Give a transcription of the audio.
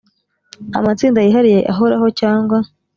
amatsinda yihariye ahoraho cyangwa